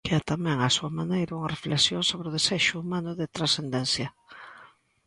Que é tamén, á súa maneira, unha reflexión sobre o desexo humano de transcendencia.